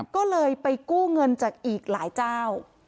ก็เลยไปกู้เงินจากอีกหลายเจ้า